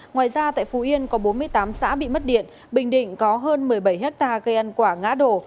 ngoài ra tại phú yên có bốn mươi tám xã bị mất điện bình định có hơn một mươi bảy hectare cây ăn quả ngã đổ